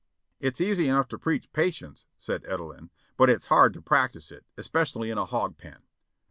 "It's easy enough to preach patience." said Edelin, "but it's hard to practice it, especially in a hog pen."